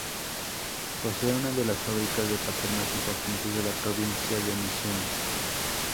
Posee una de las fábricas de papel más importantes de la provincia de Misiones.